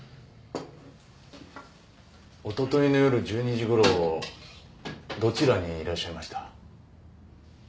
おとといの夜１２時ごろどちらにいらっしゃいました？